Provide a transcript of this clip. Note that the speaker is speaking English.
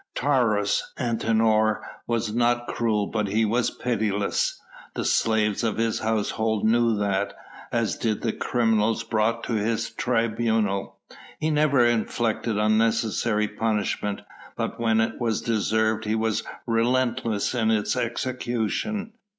Taurus Antinor was not cruel but he was pitiless. The slaves of his household knew that, as did the criminals brought to his tribunal. He never inflicted unnecessary punishment but when it was deserved he was relentless in its execution.